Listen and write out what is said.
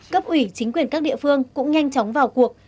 cấp ủy chính quyền các địa phương cũng nhanh chóng vào cuộc